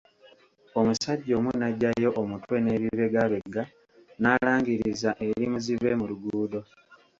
Omusajja omu n'aggyayo omutwe n'ebibegabega n'alangiriza eri muzibe mu luguudo.